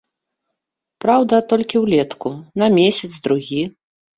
Праўда, толькі ўлетку, на месяц-другі.